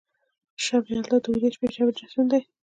شب یلدا د اوږدې شپې جشن دی.